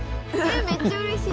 めっちゃうれしい。